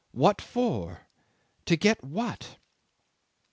What for? To get what?"